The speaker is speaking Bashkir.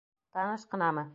Таныш ҡынамы?